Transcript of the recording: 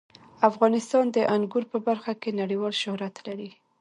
افغانستان د انګور په برخه کې نړیوال شهرت لري.